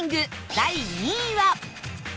第２位は